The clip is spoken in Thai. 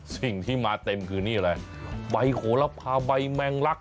สิ่งที่มาเต็มคือนี่แหละใบขโผลาภาใบแบงลักษณ์